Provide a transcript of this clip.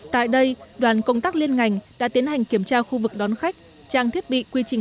tại đây đoàn công tác liên ngành đã tiến hành kiểm tra khu vực đón khách trang thiết bị quy trình